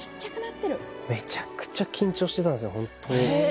めちゃくちゃ緊張していたんですよ、本当に。